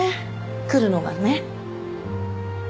来るのがね